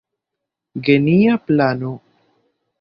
Genia plano.